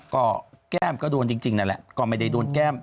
ก็แก้มก็โดนจริงนั่นแหละก็ไม่ได้โดนแก้ม